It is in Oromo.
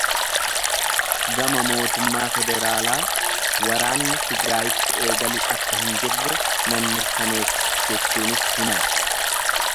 Gama mootummaa federaalaa ''waraanni Tigraayirratti eegalu akka hin jirre'' nan mirkaneessa jechuunis himan.